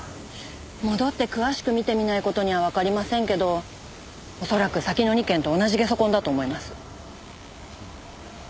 戻って詳しく見てみない事にはわかりませんけど恐らく先の２件と同じゲソ痕だと思います。